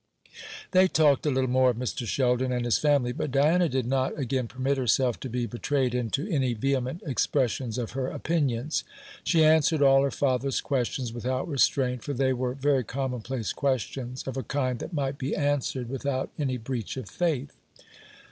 They talked a little more of Mr. Sheldon and his family, but Diana did not again permit herself to be betrayed into any vehement expressions of her opinions. She answered all her father's questions without restraint, for they were very commonplace questions, of a kind that might be answered without any breach of faith.